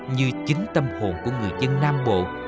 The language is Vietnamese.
như chính tâm hồn của người dân nam bộ